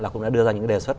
cũng đã đưa ra những đề xuất